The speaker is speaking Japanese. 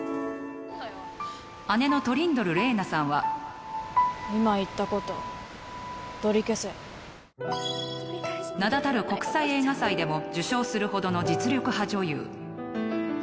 姉のトリンドル玲奈さんは名だたる国際映画祭でも受賞するほどの実力派女優。